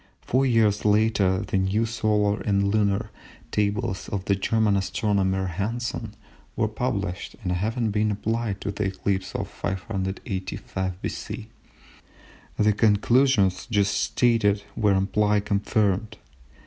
Four years later the new solar and lunar tables of the German astronomer Hansen were published, and having been applied to the eclipse of 585 B.C., the conclusions just stated were amply confirmed.